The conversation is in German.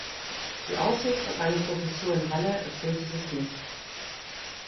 Die Aussicht auf eine Professur in Halle erfüllte sich nicht.